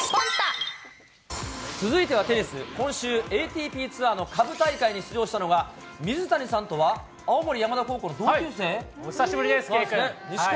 続いてはテニス、今週、ＡＴＰツアーの下部大会に出場したのは、水谷さんとは青森山田高お久しぶりです、圭君。